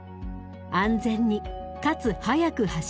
「安全にかつ速く走る。